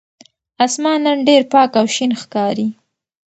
آسمان نن ډېر پاک او شین ښکاري.